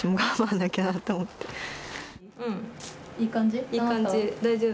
いい感じ。